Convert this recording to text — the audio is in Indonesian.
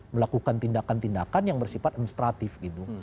melakukan tindakan tindakan yang bersifat administratif gitu